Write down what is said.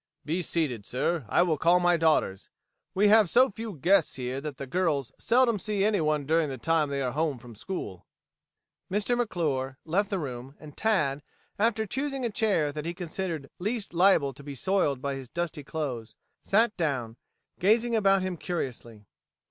"Be seated, sir. I will call my daughters. We have so few guests here that the girls seldom see anyone during the time they are home from school." Mr. McClure left the room, and Tad, after choosing a chair that he considered least liable to be soiled by his dusty clothes, sat down, gazing about him curiously.